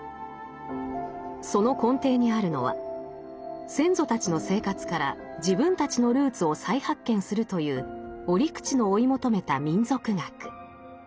その根底にあるのは先祖たちの生活から自分たちのルーツを再発見するという折口の追い求めた民俗学。